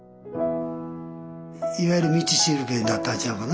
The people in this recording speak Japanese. いわゆる道しるべだったんちゃうかな。